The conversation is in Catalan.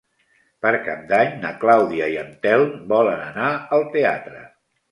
Per Cap d'Any na Clàudia i en Telm volen anar al teatre.